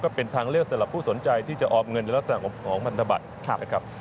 ก็เป็นทางเลือกสำหรับผู้สนใจที่จะออมเงินและสร้างของบรรทบัตร